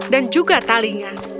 dan juga talinya